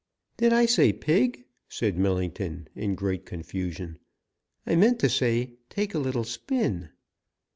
"Did I say pig?" said Millington in great confusion. "I meant to say: 'take a little spin.'"